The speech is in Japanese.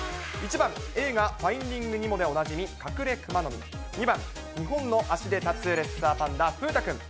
１番、映画、ファインディング・ニモでおなじみ、カクレクマノミ、２番、２本の足で立つレッサーパンダ、風太くん。